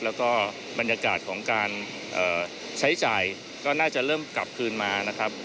แล้วก็บรรยากาศของการใช้จ่ายก็น่าจะเริ่มกลับคืนมานะครับ